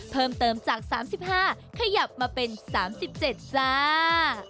เพิ่มเติมจาก๓๕ขยับมาเป็น๓๗จ้า